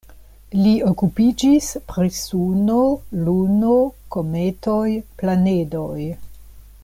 Li okupiĝis pri Suno, Luno, kometoj, planedoj.